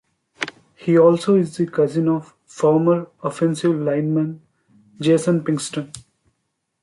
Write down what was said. He also is the cousin of former offensive lineman Jason Pinkston.